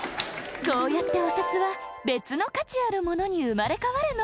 こうやってお札はべつのかちあるモノに生まれ変わるの。